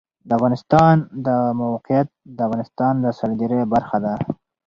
د افغانستان د موقعیت د افغانستان د سیلګرۍ برخه ده.